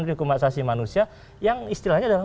rekomensasi manusia yang istilahnya adalah